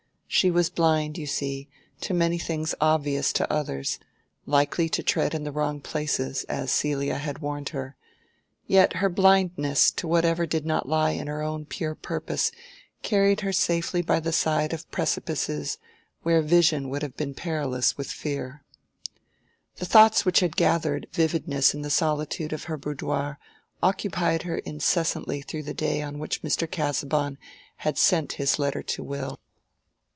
She was blind, you see, to many things obvious to others—likely to tread in the wrong places, as Celia had warned her; yet her blindness to whatever did not lie in her own pure purpose carried her safely by the side of precipices where vision would have been perilous with fear. The thoughts which had gathered vividness in the solitude of her boudoir occupied her incessantly through the day on which Mr. Casaubon had sent his letter to Will.